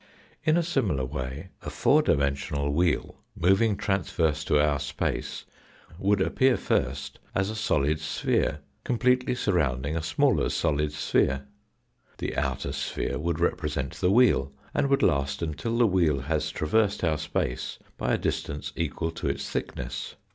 In a similar way a four dimensional wheel moving transverse to our space would appear first as a solid sphere, completely surrounding a smaller solid sphere. The outer sphere would represent the wheel, and would last until the wheel has traversed our space by a distance equal to its thickness.